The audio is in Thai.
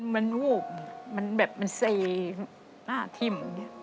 มันวูบมันแบบมันเซหน้าถิ่ม